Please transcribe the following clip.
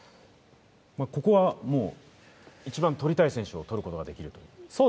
ここは一番取りたい選手を取ることができると。